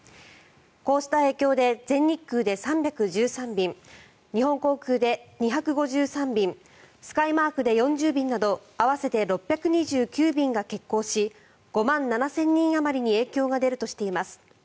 こうした影響で全日空で３１３便日本航空で２５３便スカイマークで４０便など合わせて６２９便が欠航し５万７０００人あまりに影響が出るとしています。